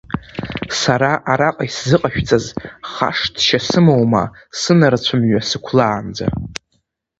Сара араҟа исзыҟашәҵаз хашҭшьа сымоума сынарцә-мҩа сықәлаанӡа.